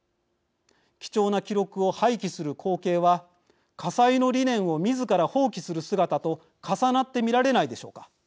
貴重な記録を廃棄する光景は家裁の理念をみずから放棄する姿と重なって見られないでしょうか。